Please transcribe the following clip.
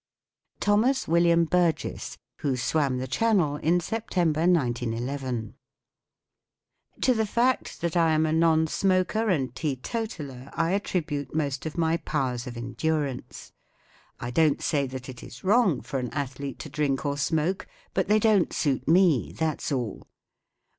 THOMAS WILLIAM BURGESS. Who swam the Channel in September, 1911* To the fact that I am a non smoker and teetotaller, I attribute most of my powers of endurance, I don't say that it is wrong for an athlete to drink or smoke; but thty don't suit me, that's all.